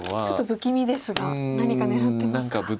ちょっと不気味ですが何か狙ってますか？